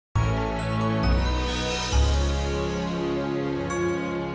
sampai jumpa di video selanjutnya